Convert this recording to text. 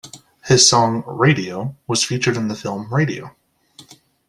His song "Radio" was featured in the film Radio.